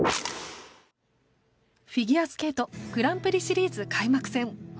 フィギュアスケートグランプリシリーズ開幕戦。